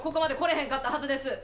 へんかったはずです！